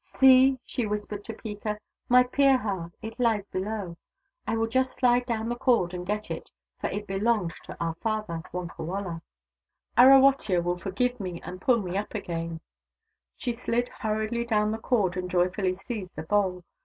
" See !" she whispered to Peeka. " My Pirha — it lies below. I will just slide down the cord and get it, for it belonged to our father, Wonkawala. i86 THE DAUGHTERS OF WONKAWALA Arawotya will forgive me and pull me up again." She slid hurriedly down the cord and joyfully seized the bowl.